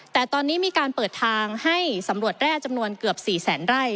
แต่ตอนนี้มีการเปิดทางให้สำรวจแร่จำนวนเกือบ๔แสนไร่